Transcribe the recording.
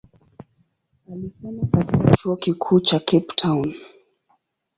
Alisoma katika chuo kikuu cha Cape Town.